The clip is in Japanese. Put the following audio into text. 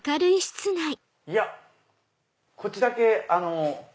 いやこっちだけ。